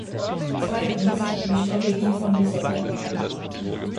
Zweitens, die Strategie von Lissabon.